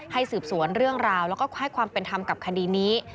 สืบสวนเรื่องราวแล้วก็ให้ความเป็นธรรมกับคดีนี้